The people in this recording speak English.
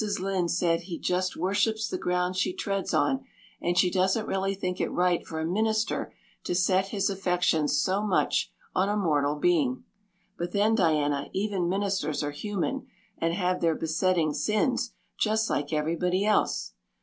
Lynde says he just worships the ground she treads on and she doesn't really think it right for a minister to set his affections so much on a mortal being. But then, Diana, even ministers are human and have their besetting sins just like everybody else.